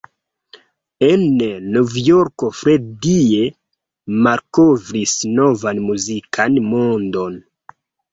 En Novjorko Freddie malkovris novan muzikan mondon.